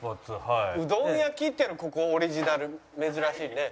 うどん焼っていうのはここオリジナル珍しいね。